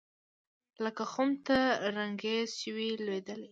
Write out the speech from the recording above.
لکه خُم ته د رنګرېز چي وي لوېدلی